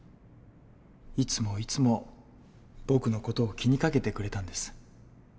いつもいつも僕の事を気にかけてくれたんです。